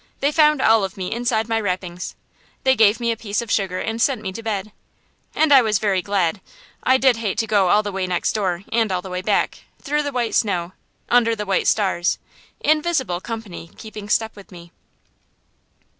They found all of me inside my wrappings. They gave me a piece of sugar and sent me to bed. And I was very glad. I did hate to go all the way next door and all the way back, through the white snow, under the white stars, invisible company keeping step with me.